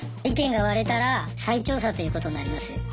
意見が割れたら再調査ということになります。